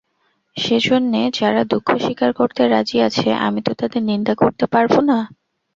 সেজন্যে যারা দুঃখ স্বীকার করতে রাজি আছে আমি তো তাদের নিন্দা করতে পারব না।